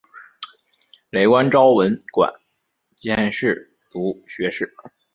累官昭文馆兼侍读学士。